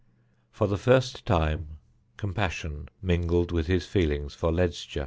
For the first time compassion mingled with his feelings for Ledscha.